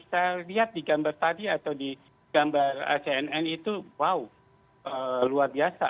saya lihat di gambar tadi atau di gambar cnn itu wow luar biasa